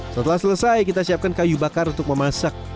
setelah selesai kita siapkan kayu bakar untuk memasak